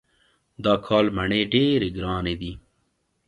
دا کال مڼې ډېرې ګرانې دي.